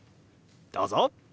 どうぞ。